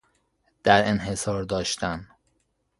در انحصار داشتن